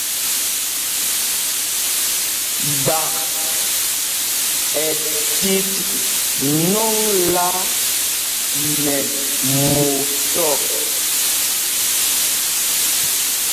Gbak ɛ tit nɔŋla nɛ mot ɔ̂.